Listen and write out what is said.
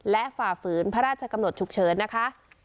และฝ่าฝืนพระราชกำหนดฉุกเฉินนะคะ